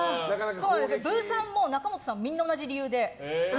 ブーさんも仲本さんも同じ理由で。